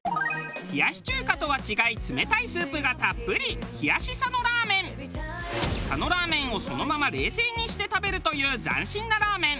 冷やし中華とは違い冷たいスープがたっぷり佐野ラーメンをそのまま冷製にして食べるという斬新なラーメン。